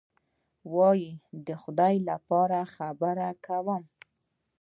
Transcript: وایي: د خدای لپاره خبره کوم.